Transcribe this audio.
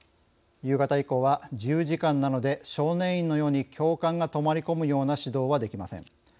夕方以降は自由時間なので少年院のように教官が泊まり込むような指導はできません。